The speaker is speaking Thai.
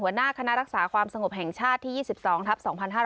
หัวหน้าคณะรักษาความสงบแห่งชาติที่๒๒ทัพ๒๕๕๙